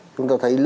chúng ta thấy